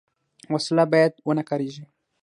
وسله باید ونهکارېږي